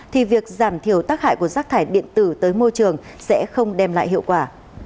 thì việc giảm thiểu tác hại của rác thải điện tử tới môi trường sẽ không đem lại hiệu quả